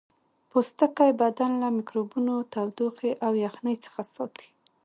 پوستکی بدن له میکروبونو تودوخې او یخنۍ څخه ساتي